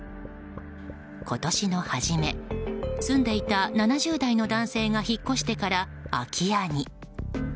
今年の初め、住んでいた７０代の男性が引っ越してから空き家に。